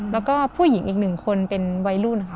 แล้วก็ผู้หญิงอีกหนึ่งคนเป็นวัยรุ่นค่ะ